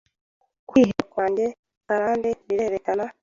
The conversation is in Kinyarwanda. Kwiheba kwanjye karande birerekana